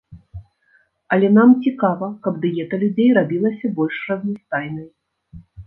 Але нам цікава, каб дыета людзей рабілася больш разнастайнай.